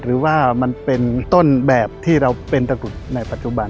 หรือว่ามันเป็นต้นแบบที่เราเป็นตะกรุดในปัจจุบัน